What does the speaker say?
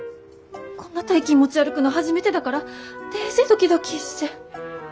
こんな大金持ち歩くの初めてだからデージどきどきーして。